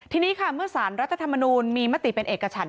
ทีนี้ค่ะเมื่อสารรัฐธรรมนูลมีมติเป็นเอกฉัน